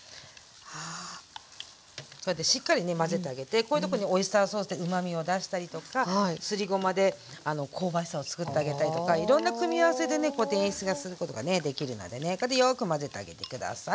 こうやってしっかりね混ぜてあげてこういうとこにオイスターソースでうまみを出したりとかすりごまで香ばしさをつくってあげたりとかいろんな組み合わせでねこうやって演出がすることがねできるのでねこうやってよく混ぜてあげて下さい。